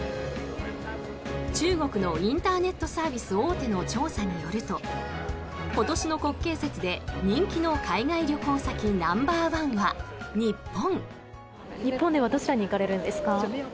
中国のインターネットサービス大手の調査によると今年の国慶節で人気の海外旅行先ナンバーワンは日本。